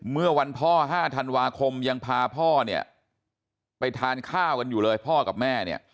เมื่อวันพ่อ๕ธันวาคมยังพาพ่อเนี่ยไปทานข้าวกันอยู่เลยพ่อกับแม่เนี่ย